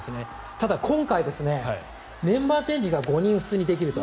ただ、今回メンバーチェンジが５人、普通にできると。